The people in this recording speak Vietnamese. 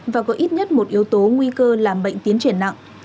và có ít nhất một yếu tố nguy cơ làm bệnh tiến triển nặng